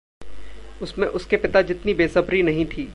उसमें उसके पिता जितनी बेसब्री नहीं थी।